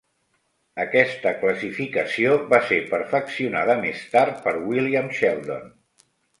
Aquesta classificació va ser perfeccionada més tard per William Sheldon.